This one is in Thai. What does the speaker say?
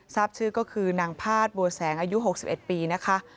ทราบชื่อก็คือนางพาดบัวแสงอายุ๖๑ปีนะคะ